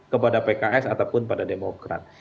kepada pks ataupun pada demokrat